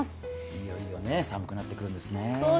いよいよ寒くなってくるんですね。